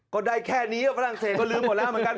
ก็ได้แค่นี้ฝรั่งเศสก็ลืมหมดแล้วเหมือนกัน